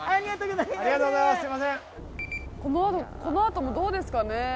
このあとのどうですかね？